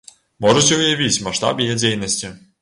Можаце ўявіць маштаб яе дзейнасці!